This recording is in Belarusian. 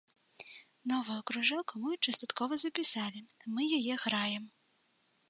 Новую кружэлку мы часткова запісалі, мы яе граем.